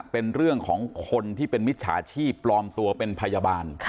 เป็นเรื่องของคนที่เป็นมิจฉาชีพปลอมตัวเป็นพยาบาล